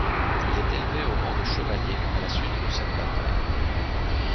Il est élevé au rang de chevalier à la suite de cette bataille.